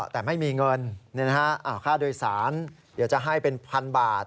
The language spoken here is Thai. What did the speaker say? แต่ไม่มีเงินค่าโดยสารเดี๋ยวจะให้เป็นพันบาท